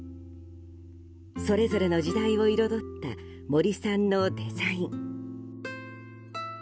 それぞれの時代を彩った森さんのデザイン。